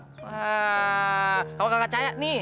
eh kalau kagak caya nih